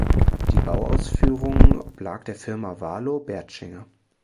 Die Bauausführung oblag der Firma Walo Bertschinger.